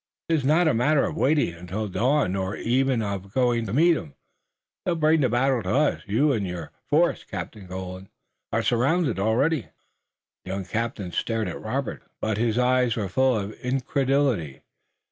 "It's not a matter of waiting until dawn, nor even of going to meet 'em. They'll bring the battle to us. You and your force, Captain Colden, are surrounded already." The young captain stared at Robert, but his eyes were full of incredulity.